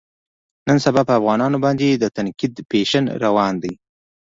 نن سبا په افغانانو باندې د تنقید فیشن روان دی.